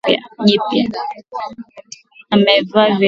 Amevaa rinda jipya